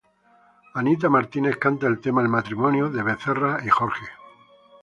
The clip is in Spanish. Anita Martínez canta el tema "El matrimonio" de Becerra y George.